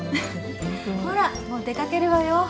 ほらもう出かけるわよ